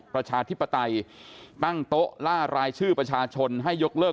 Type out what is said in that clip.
ประชาธิปไตยตั้งโต๊ะล่ารายชื่อประชาชนให้ยกเลิก